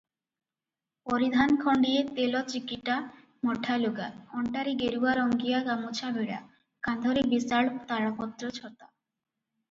ପରିଧାନ ଖଣ୍ତିଏ ତେଲ ଚିକିଟା ମଠାଲୁଗା, ଅଣ୍ଟାରେ ଗେରୁରଙ୍ଗିଆ ଗାମୁଛାଭିଡ଼ା, କାନ୍ଧରେ ବିଶାଳ ତାଳପତ୍ର ଛତା ।